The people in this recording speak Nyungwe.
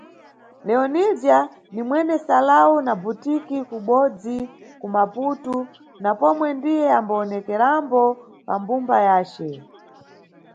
Leonilzia ni mwene salão na butique kubodzi ku Maputu na pomwe ndiye ambawonekerambo pa mbumba yace.